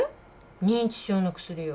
認知症の薬よ。